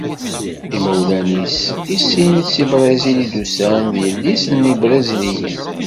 Imawlan-is i sin si Brizil i d-usan. D yelli-s n Yebriziliyen.